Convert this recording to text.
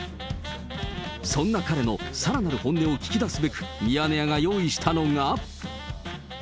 そんな彼のさらなる本音を聞き出すべく、ミヤネ屋が用意したのが。